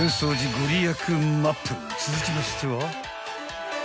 ［続きましては］